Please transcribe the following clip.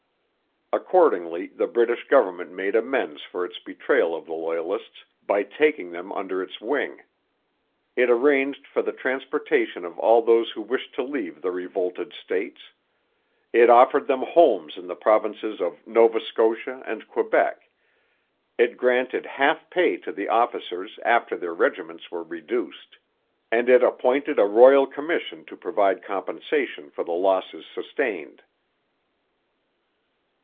Accordingly the British government made amends for its betrayal of the Loyalists by taking them under its wing. It arranged for the transportation of all those who wished to leave the revolted states; it offered them homes in the provinces of Nova Scotia and Quebec; it granted half pay to the officers after their regiments were reduced; and it appointed a royal commission to provide compensation for the losses sustained.